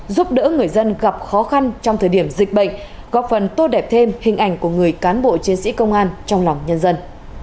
giúp đỡ người dân gặp khó khăn trong thời điểm dịch bệnh góp phần tô đẹp thêm hình ảnh của người cán bộ chiến sĩ công an trong lòng nhân dân